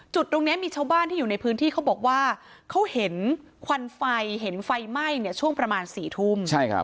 ตรงนี้มีชาวบ้านที่อยู่ในพื้นที่เขาบอกว่าเขาเห็นควันไฟเห็นไฟไหม้เนี่ยช่วงประมาณ๔ทุ่ม